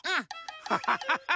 ハハハハ。